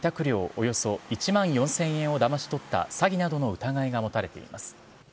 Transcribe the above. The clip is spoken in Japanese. およそ１万４０００円をだまし取った詐欺などの疑いが持たれています。